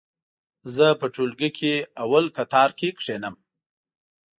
زه په ټولګي کې اول قطور کې کېنم.